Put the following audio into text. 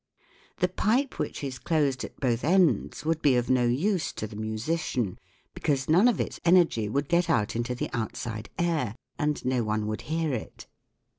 The pipe which is closed at both ends would be of no use to the musician, because none of its energy would get out into the outside air and no one would hear it.